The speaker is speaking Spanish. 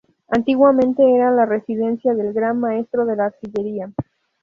Antiguamente era la residencia del "gran maestro de la artillería".